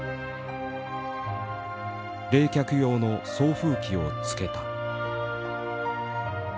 冷却用の送風機を付けた。